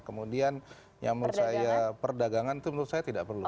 kemudian yang menurut saya perdagangan itu menurut saya tidak perlu